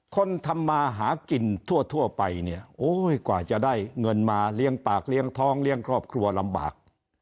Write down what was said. คนทำมาหากินทั่วไปเนี่ยโอ้ยกว่าจะได้เงินมาเลี้ยงปากเลี้ยงท้องเลี้ยงครอบครัวลำบาก